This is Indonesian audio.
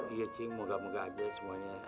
iya cing moga moga aja semuanya